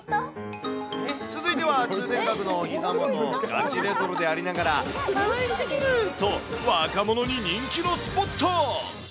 続いては、通天閣のおひざ元、ガチレトロでありながら、かわいすぎる！と、若者に人気のスポット。